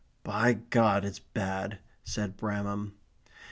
"By God, it's bad," said Bramham.